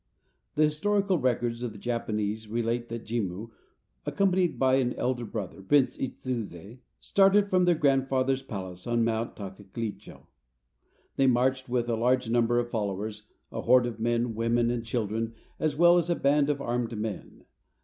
The historical records of the Japanese relate that Jimmu, accompanied by an elder brother, Prince Itsuse, started from their grandfather's palace on Mount Takaclicho. They marched with a large number of followers, a horde of men, women, and children, as well as a band of armed men.